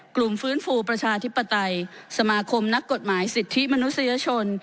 ฟื้นฟูประชาธิปไตยสมาคมนักกฎหมายสิทธิมนุษยชน